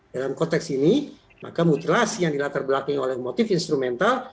dalam konteks ini maka mutilasi yang dilatar belakangi oleh motif instrumental